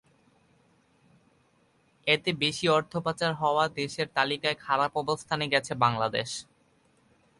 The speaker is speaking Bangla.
এতে বেশি অর্থ পাচার হওয়া দেশের তালিকায় খারাপ অবস্থানে গেছে বাংলাদেশ।